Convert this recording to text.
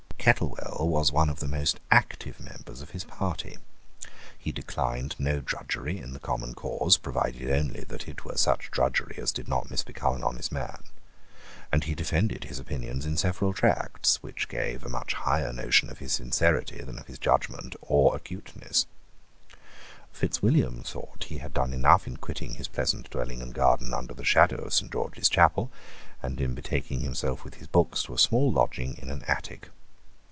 Kettlewell was one of the most active members of his party: he declined no drudgery in the common cause, provided only that it were such drudgery as did not misbecome an honest man; and he defended his opinions in several tracts, which give a much higher notion of his sincerity than of his judgment or acuteness, Fitzwilliam thought that he had done enough in quitting his pleasant dwelling and garden under the shadow of Saint George's Chapel, and in betaking himself with his books to a small lodging in an attic.